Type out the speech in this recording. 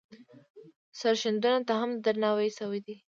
سرښندنو ته هم درناوی شوی دی.